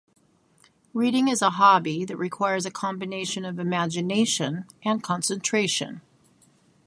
Reading is a hobby that requires a combination of imagination and concentration.